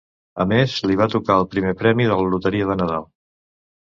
A més, li va tocar el primer premi de la loteria de nadal.